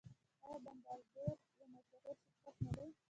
آیا بمبارډیر یو مشهور شرکت نه دی؟